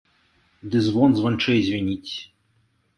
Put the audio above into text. Ды звон званчэй звініць.